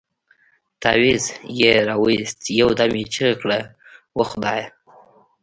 تاويز يې راوايست يو دم يې چيغه کړه وه خدايه.